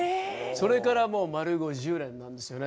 それからもう丸５０年なんですよね。